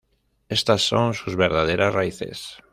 Estas son sus verdaderas raíces".